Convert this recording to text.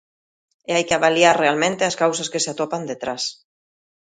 E hai que avaliar realmente as causas que se atopan detrás.